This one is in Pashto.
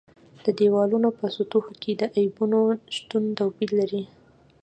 د دېوالونو په سطحو کې د عیبونو شتون توپیر لري.